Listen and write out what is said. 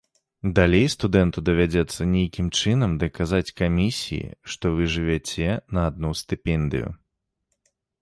Далей студэнту давядзецца нейкім чынам даказаць камісіі, што вы жывяце на адну стыпендыю.